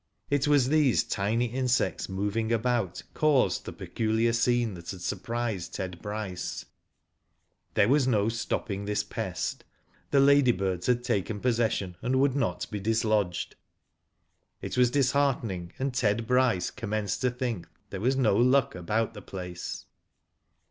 It was these tiny insects moving about caused the peculiar scene that had surprised Ted Bryce. There was no stopping this pest. The ladybirds had taken possession, and would not be dislodged. It was disheartening, and Ted Bryce commenced, to think there was no luck about the place.